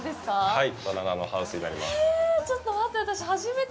はい。